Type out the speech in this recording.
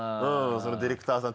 そのディレクターさん